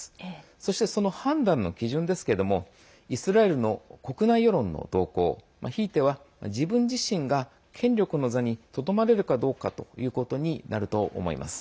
そして、その判断の基準ですけれどもイスラエルの国内世論の動向ひいては自分自身が権力の座にとどまれるかどうかということになると思います。